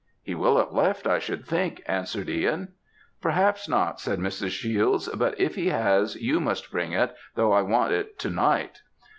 "He will have left, I should think," answered Ihan. "Perhaps not," said Mrs. Shiels, "but if he has you must bring it, though I want it to night."